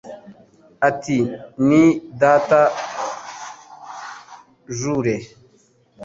Ati: "Ni data, Jule."